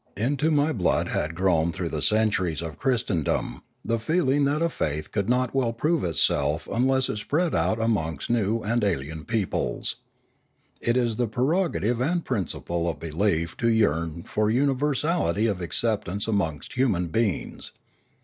Into my blood had grown through the cent uries of Christendom the feeling that a faith could not well prove itself unless it spread out amongst new and alien peoples. It is the prerogative and principle of belief to yearn for universality of acceptance amongst human beings.